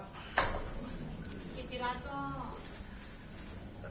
นิจทีรัฐบรอ